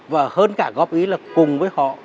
và hơn cả góp ý là cùng với họ